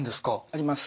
あります。